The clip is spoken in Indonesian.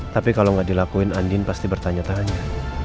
tapi kalau gak dilakuin andi pasti bertanya tanya